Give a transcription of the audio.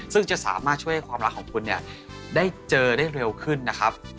ซึ่งจะสามารถช่วยให้ความรักของคุณเนี่ยได้เจอได้เร็วขึ้นนะครับ